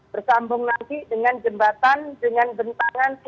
bersambung lagi dengan jembatan dengan bentangan tiga puluh meter